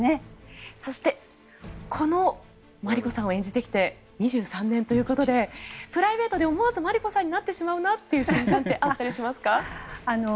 そしてこのマリコさんを演じてきて２３年ということでプライベートで思わずマリコさんになってしまう瞬間ってあったりしますか？